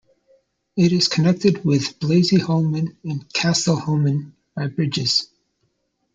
It is connected with Blasieholmen and Kastellholmen by bridges.